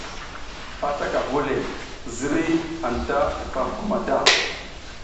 A slaka vu le dana, ziriy anta slifam gu mata.